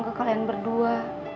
ke kalian berdua